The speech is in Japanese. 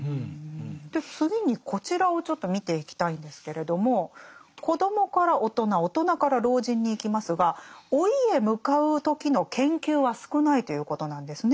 で次にこちらをちょっと見ていきたいんですけれども子どもから大人大人から老人にいきますが老いへ向かう時の研究は少ないということなんですね。